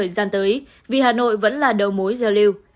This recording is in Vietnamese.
gian tới vì hà nội vẫn là đầu mối giao lưu